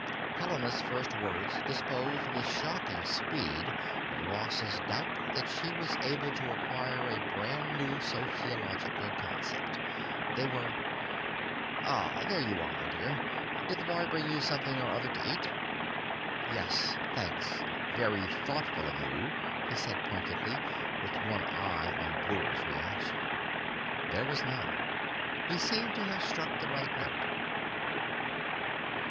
Helena's first words disposed with shocking speed of Ross's doubts that she was able to acquire a brand new sociological concept. They were: "Ah, there you are, my dear. Did the boy bring you something or other to eat?" "Yes. Thanks. Very thoughtful of you," he said pointedly, with one eye on Breuer's reaction. There was none; he seemed to have struck the right note.